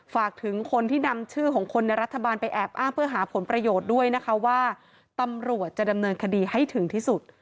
ฝากถึงคนที่นำชื่อของคนในรัฐบาลไปแอบอ้างเพื่อหาผลประโยชน์ด้วยนะคะว่าตำรวจจะดำเนินคดีให้ถึงที่สุด